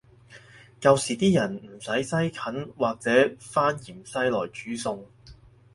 舊時啲人唔使西芹或者番芫茜來煮餸